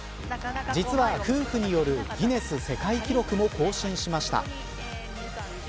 実は、夫婦によるギネス世界記録も更新しました。